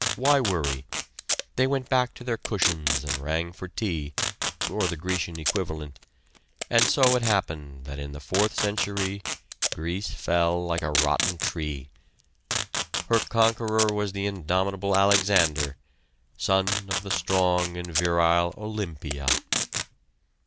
Why worry? They went back to their cushions and rang for tea or the Grecian equivalent; and so it happened that in the fourth century Greece fell like a rotten tree. Her conqueror was the indomitable Alexander, son of the strong and virile Olympia.